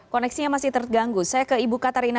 koneksinya masih terganggu saya ke ibu katarina